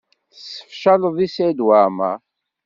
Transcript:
Tessefcaleḍ deg Saɛid Waɛmaṛ.